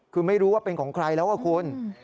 คือไม่รู้ว่าเป็นของใครแล้วคุณ